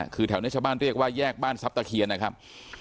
คือแถวนี้ชาวบ้านเรียกว่าแยกบ้านทรัพย์ตะเคียนนะครับ